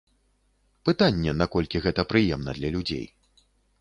Пытанне, наколькі гэта прыемна для людзей.